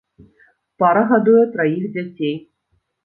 Пара гадуе траіх дзяцей.